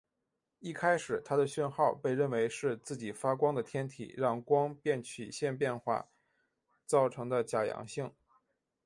一开始它的讯号被认为是自己发光的天体让光变曲线变化造成的假阳性。